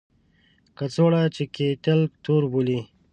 کڅوړه چې کیټل تور بولي.